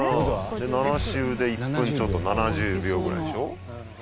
で７周で１分ちょっと７０秒ぐらいでしょ？